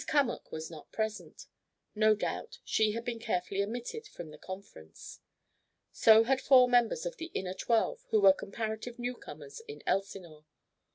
Cummack was not present. No doubt she had been carefully omitted from the conference. So had four members of the inner twelve who were comparative newcomers in Elsinore.